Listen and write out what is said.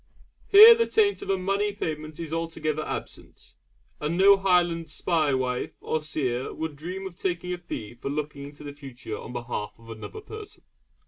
Here the taint of a money payment is altogether absent; and no Highland 'spae wife' or seer would dream of taking a fee for looking into the future on behalf of another person.